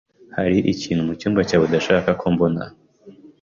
Hari ikintu mucyumba cyawe udashaka ko mbona?